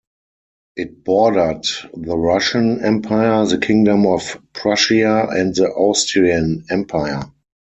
It bordered the Russian Empire, the Kingdom of Prussia and the Austrian Empire.